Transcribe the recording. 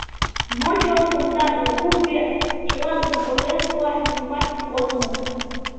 Мочоло кумда да кугу вер — чыла тудым ойлен пуаш мутымат от му.